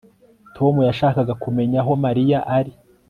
Tom yashakaga kumenya aho Mariya ari